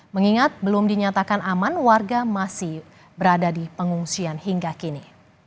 mengingat belum dinyatakan aman warga masih berada di pengungsian hingga kini